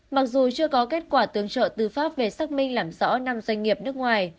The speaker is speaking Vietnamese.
mặc dù chưa có kết quả tương trợ tư pháp về xác minh làm rõ năm doanh nghiệp nước ngoài